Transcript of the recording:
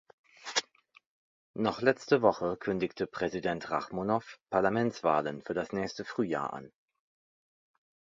Noch letzte Woche kündigte Präsident Rachmonow Parlamentswahlen für das nächste Frühjahr an.